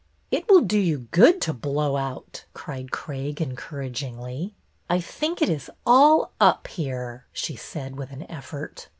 " It will do you good to blow out," cried Craig, encouragingly. " I think it is all up here," she said, with an effort.